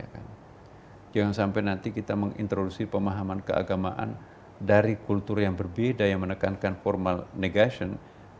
jangan sampai nanti kita mengintroduksi pemahaman keagamaan dari kultur yang berbeda yang menekankan formal negation